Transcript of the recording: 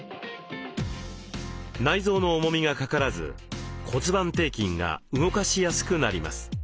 内臓の重みがかからず骨盤底筋が動かしやすくなります。